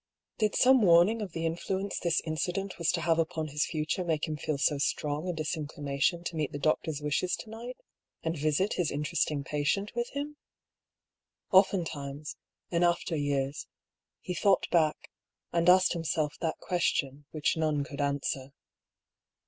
Did some warning of the influence this incident was to have upon his future make him feel so strong a dis inclination to meet the doctor's wishes to night, and visit his interesting patient with him ? Oftentimes, in after years, he thought back, and asked himself that question, which none could answer.